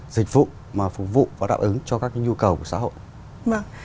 dịch vụ mà phục vụ và đáp ứng cho các nhu cầu của xã hội